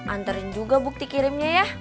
anterin juga bukti kirimnya ya